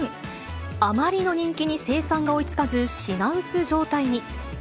あまりの人気に、生産が追いつかず、品薄状態に。